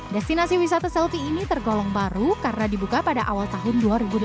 destinasi wisata selfie ini tergolong baru karena dibuka pada awal tahun dua ribu dua puluh